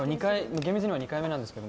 厳密には２回目ですけど。